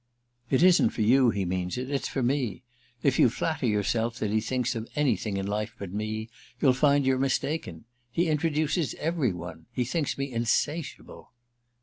"It isn't for you he means it—it's for me. If you flatter yourself that he thinks of anything in life but me you'll find you're mistaken. He introduces every one. He thinks me insatiable."